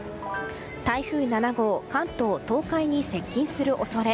台風７号関東・東海に接近する恐れ。